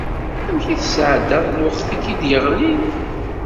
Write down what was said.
Amek tesɛeddaḍ lweqt i k-d-yeɣlin?